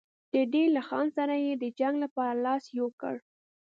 د دیر له خان سره یې د جنګ لپاره لاس یو کړ.